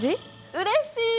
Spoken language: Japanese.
うれしい！